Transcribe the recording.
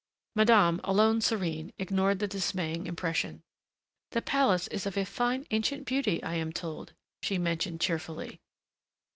Madame, alone serene, ignored the dismaying impression. "The palace is of a fine, ancient beauty, I am told," she mentioned cheerfully.